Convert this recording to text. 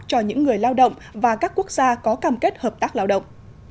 cho những người lao động và các quốc gia có cam kết hợp tác lao động